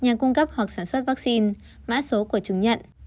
nhà cung cấp hoặc sản xuất vaccine mã số của chứng nhận